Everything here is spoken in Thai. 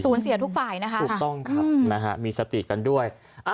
ศูนย์เสียทุกฝ่ายนะคะถูกต้องครับมีสติกันด้วย